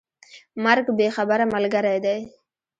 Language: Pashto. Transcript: مرګ بې خبره ملګری دی.